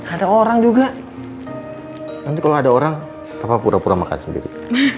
ada orang juga nanti kalau ada orang apa pura pura makan sendiri